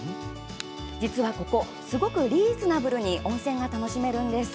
実はここ、すごくリーズナブルに温泉が楽しめるんです。